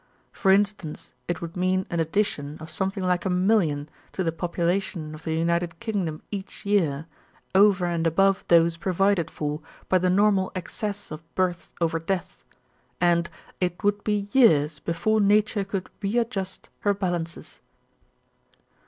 For instance, it would mean an addition of something like a million to the population of the United Kingdom each year, over and above those provided for by the normal excess of births over deaths, and it would be years before Nature could readjust her balances.'"